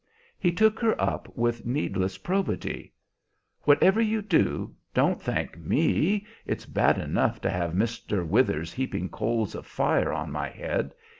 He took her up with needless probity: "Whatever you do, don't thank me! It's bad enough to have Mr. Withers heaping coals of fire on my head.